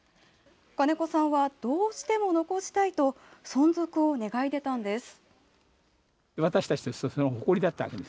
金子さんはどうしても残したいと存続を願い出たのです。